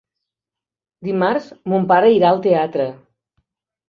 Dimarts mon pare irà al teatre.